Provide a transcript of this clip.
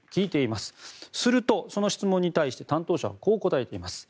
すると、その質問に対して担当者はこう答えています。